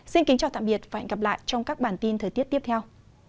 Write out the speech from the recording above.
xin kính chào tạm biệt và hẹn gặp lại trong các bản tin thời tiết tiếp theo